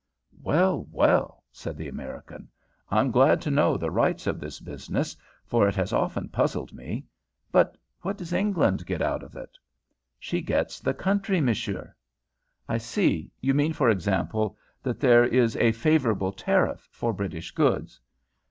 "Well, well," said the American, "I'm glad to know the rights of this business, for it has often puzzled me. But what does England get out of it?" "She gets the country, monsieur." "I see. You mean, for example, that there is a favourable tariff for British goods?"